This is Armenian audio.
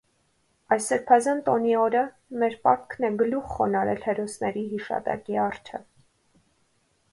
Այս սրբազան տոնի օրը մեր պարտքն է գլուխ խոնարհել հերոսների հիշատակի առջև։